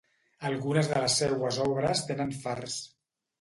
Algunes de les seues obres tenen fars.